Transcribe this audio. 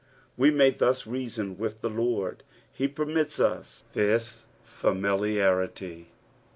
We may thus reason with the Lord. He jvermits us this familiarity.